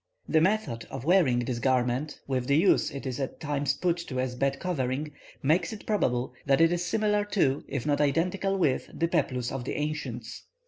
The method of wearing this garment, with the use it is at other times put to as bed covering, makes it probable that it is similar to if not identical with the peplus of the ancients.